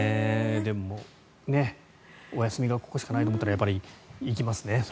でも、お休みがここしかなかったらやっぱり行きますね。